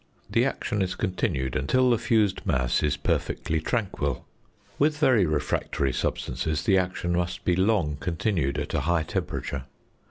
The action is continued until the fused mass is perfectly tranquil. With very refractory substances, the action must be long continued at a high temperature.